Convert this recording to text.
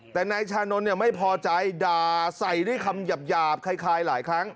แต่นายชานนท์ไม่พอใจด่าใส่ด้วยคำหยาบคล้ายหลายครั้ง